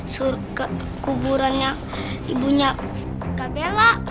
surga kuburannya ibunya gabella